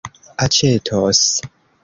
aĉetos